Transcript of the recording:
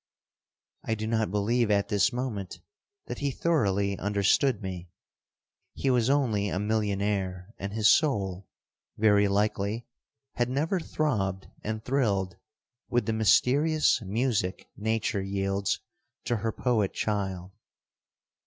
I do not believe at this moment that he thoroughly understood me. He was only a millionaire and his soul, very likely, had never throbbed and thrilled with the mysterious music nature yields to her poet child.